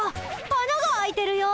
あなが開いてるよ。